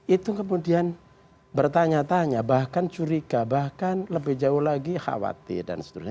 itu kemudian bertanya tanya bahkan curiga bahkan lebih jauh lagi khawatir dan seterusnya